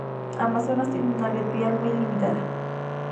Amazonas tiene una red vial muy limitada.